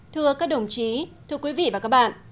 thưa các đồng chí thưa quý vị và các bạn